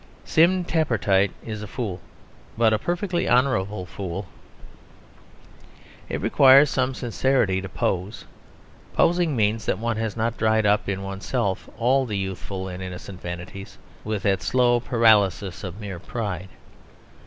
Sim Tappertit is a fool, but a perfectly honourable fool. It requires some sincerity to pose. Posing means that one has not dried up in oneself all the youthful and innocent vanities with the slow paralysis of mere pride.